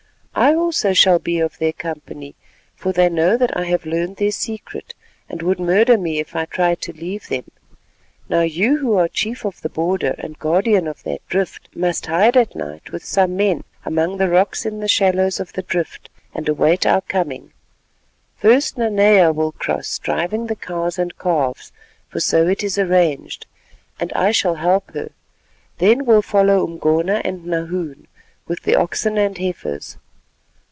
I also shall be of their company, for they know that I have learned their secret, and would murder me if I tried to leave them. Now you who are chief of the border and guardian of that drift, must hide at night with some men among the rocks in the shallows of the drift and await our coming. First Nanea will cross driving the cows and calves, for so it is arranged, and I shall help her; then will follow Umgona and Nahoon with the oxen and heifers.